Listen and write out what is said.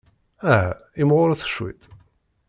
Aha, imɣuret cwiṭ!